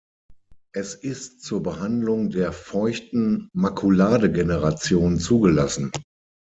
Es ist zur Behandlung der Feuchten Makuladegeneration zugelassen.